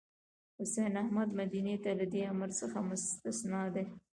حسين احمد مدني له دې امر څخه مستثنی دی.